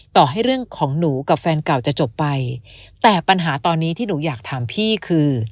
ต่อให้เรื่องของหนูกับแฟนเก่าจะจบไปแต่ปัญหาตอนนี้ที่หนูอยากถามพี่คือ